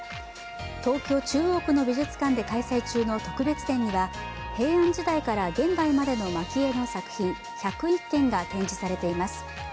東京・中央区の美術館で開催中の特別展には平安時代から現代までの蒔絵の作品１０１点が展示されています。